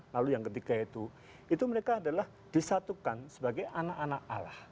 lalu yang ketiga itu itu mereka adalah disatukan sebagai anak anak allah